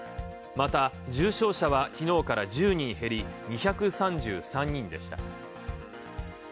また、重症者は昨日から１０人減り２３３人でした。